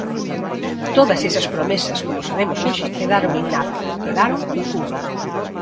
Todas esas promesas, como sabemos hoxe, quedaron en nada, quedaron en fume.